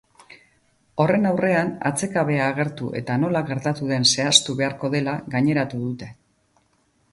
Horren aurrean atsekabea agertu eta nola gertatu den zehaztu beharko dela gaineratu dute.